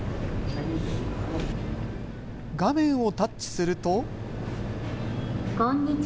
画面をタッチすると。